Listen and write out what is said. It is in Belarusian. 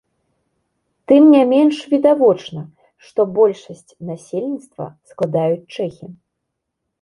Тым не менш відавочна, што большасць насельніцтва складаюць чэхі.